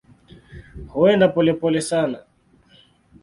Huenda polepole sana.